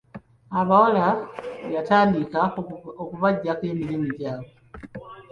Abawala yatandika okubagyako emirimu gyabwe.